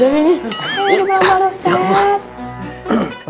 tak apa tak apa